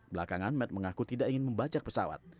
belakangan matt mengaku tidak ingin membajak pesawat